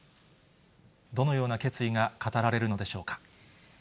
どのような決意が語られるのでし